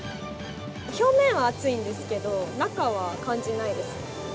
表面は暑いんですけど中は感じないですね。